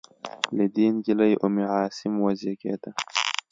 له دې نجلۍ ام عاصم وزېږېده.